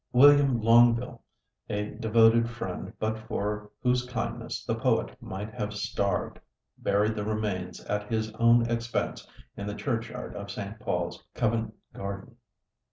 William Longueville, a devoted friend but for whose kindness the poet might have starved, buried the remains at his own expense in the churchyard of St. Paul's, Covent Garden.